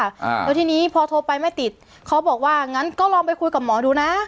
อ่าแล้วทีนี้พอโทรไปไม่ติดเขาบอกว่างั้นก็ลองไปคุยกับหมอดูนะ